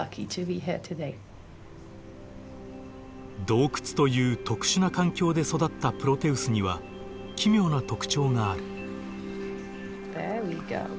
洞窟という特殊な環境で育ったプロテウスには奇妙な特徴がある。